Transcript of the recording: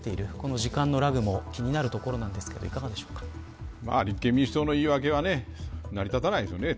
この時間ラグも気になるところですが立憲民主党の言い訳は成り立たないでしょう。